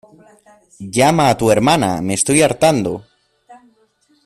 ¡ llama a tu hermana, me estoy hartando!